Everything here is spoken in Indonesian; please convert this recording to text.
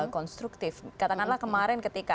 konstruktif katakanlah kemarin ketika